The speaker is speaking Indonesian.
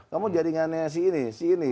kamu jaringannya si ini si ini